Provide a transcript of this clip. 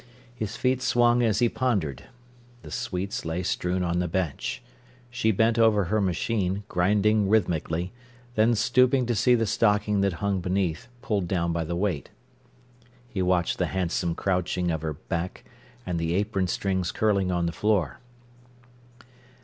His feet swung as he pondered. The sweets lay strewn on the bench. She bent over her machine, grinding rhythmically, then stooping to see the stocking that hung beneath, pulled down by the weight. He watched the handsome crouching of her back, and the apron strings curling on the floor.